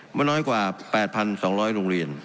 ไม่น้อยกว่า๘๒๐๐โรงเรียน